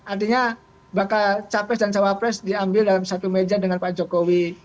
adanya bakal capres dan calon pres diambil dalam satu meja dengan pak jokowi